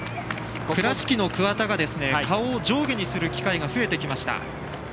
倉敷の桑田顔を上下にする機会が増えてきました。